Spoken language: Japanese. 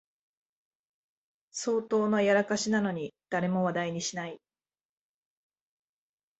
相当なやらかしなのに誰も話題にしない